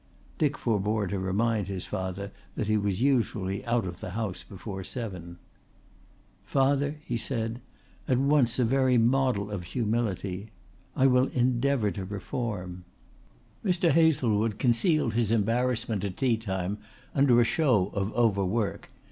Dick forbore to remind his father that he was usually out of the house before seven. "Father," he said, at once a very model of humility, "I will endeavour to reform." Mr. Hazlewood concealed his embarrassment at teatime under a show of over work.